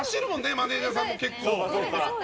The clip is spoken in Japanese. マネジャーさんも結構。